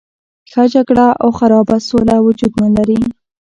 ښه جګړه او خرابه سوله وجود نه لري.